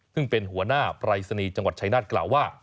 ซึ่งเป็นหัวหน้าปรายศนีย์จังหวัดชายนาฏกล่าวว่า